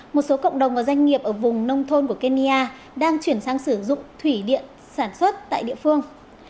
một số cộng đồng và doanh nghiệp ở vùng nông thôn của kenya đang chuyển sang sử dụng thủy điện sản xuất tại địa phương